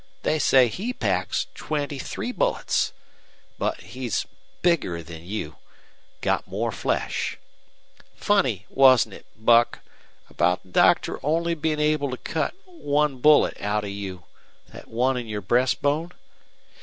They say he packs twenty three bullets. But he's bigger than you got more flesh.... Funny, wasn't it, Buck, about the doctor only bein' able to cut one bullet out of you that one in your breastbone?